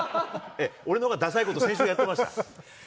俺のほうがださいこと、先週やってました。